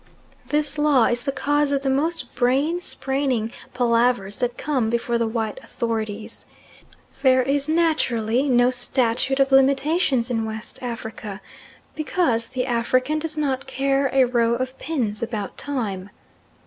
This law is the cause of the most brain spraining palavers that come before the white authorities. There is naturally no statute of limitations in West Africa, because the African does not care a row of pins about time.